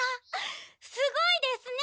すごいですね！